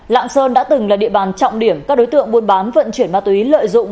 lạng sơn đã từng là địa bàn trọng điểm các đối tượng buôn bán vận chuyển ma túy lợi dụng